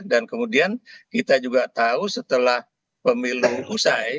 dan kemudian kita juga tahu setelah pemilu usai